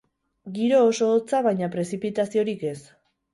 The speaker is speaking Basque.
Giro oso hotza, baina prezipitaziorik ez.